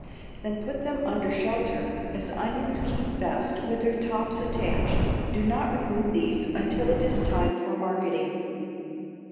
Then put them under shelter. As onions keep best with their tops attached, do not remove these until it is time for marketing.